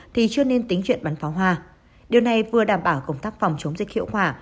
thì chưa nên tính chuyện bắn pháo hoa điều này vừa đảm bảo công tác phòng chống dịch hiệu quả